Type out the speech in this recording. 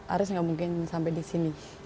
aris nggak mungkin sampai di sini